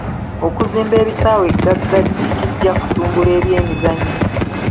Okuzimba ebisaawe ggaggadde kijja kutumbula eby'emizannyo.